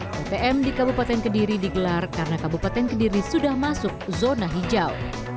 ptm di kabupaten kediri digelar karena kabupaten kediri sudah masuk zona hijau